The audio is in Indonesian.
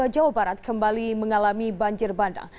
jawa barat kembali mengalami banjir bandang